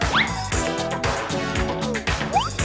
โอ้ยชอบสนุก